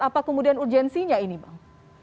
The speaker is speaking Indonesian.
apa kemudian urgensinya ini bang